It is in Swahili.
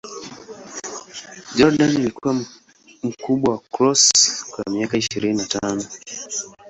Jordan alikuwa mkubwa wa Cross kwa miaka ishirini na tano.